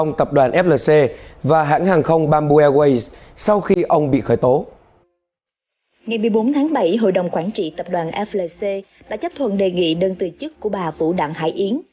ngày một mươi bốn tháng bảy hội đồng quản trị tập đoàn flc đã chấp thuận đề nghị đơn tư chức của bà vũ đảng hải yến